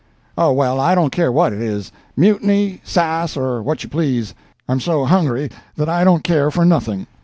"Oh, well, I don't care what it is—mutiny, sass or what you please—I'm so hungry that I don't care for nothing."